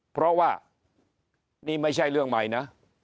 เพราะว่านี่ไม่ใช่เรื่องใหม่นะ